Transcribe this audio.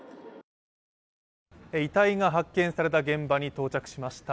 遺体が発見された現場に到着しました。